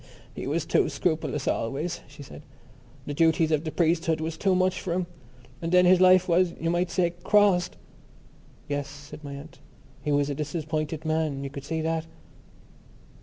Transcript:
"He was too scrupulous always," she said. "The duties of the priesthood was too much for him. And then his life was, you might say, crossed." "Yes," said my aunt. "He was a disappointed man. You could see that."